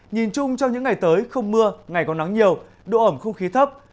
nhìn chung trong những ngày tới không mưa ngày còn nắng nhiều độ ẩm không khí thấp